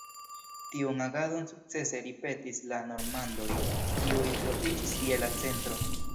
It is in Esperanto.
Tiun agadon sukcese ripetis la normandoj, kiuj troviĝis je la centro.